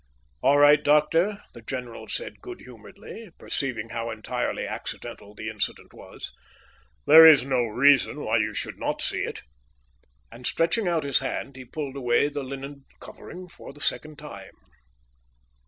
"All right, doctor," the general said good humouredly, perceiving how entirely accidental the incident was. "There is no reason why you should not see it," and stretching out his hand, he pulled away the linen covering for the second time.